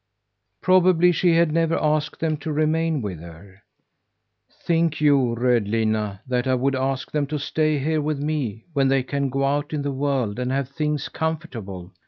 Probably she had never asked them to remain with her. "Think you, Rödlinna, that I would ask them to stay here with me, when they can go out in the world and have things comfortable?"